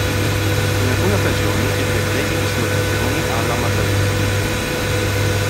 In alcune occasioni ebbe brevi dislocazioni a La Maddalena.